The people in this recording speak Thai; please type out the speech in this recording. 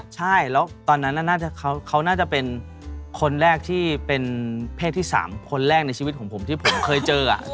ใช่ตอนนั้นน่าจะเขาน่าจะเป็นคนแรกที่เป็นผล๓คนแรกในชีวิตของผมที่ผมเคยเจออ่ะ